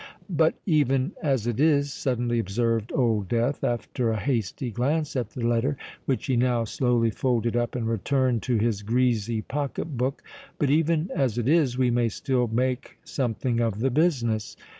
"But even as it is," suddenly observed Old Death, after a hasty glance at the letter, which he now slowly folded up and returned to his greasy pocket book,—"but even as it is, we may still make something of the business.